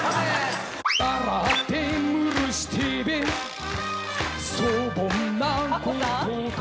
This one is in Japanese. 「笑ってむるしてそぼんなことと」